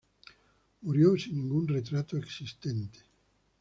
Murió sin ningún retrato existente.